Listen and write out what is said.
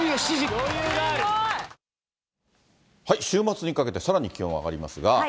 週末にかけてさらに気温上がりますが。